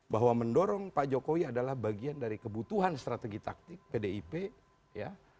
bahwa mendorong pak jokowi adalah bagian dari kebutuhan strategi taktik pdip ya